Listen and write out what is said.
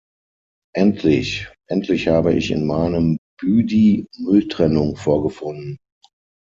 Endlich, endlich habe ich in meinem Büdie Mülltrennung vorgefunden.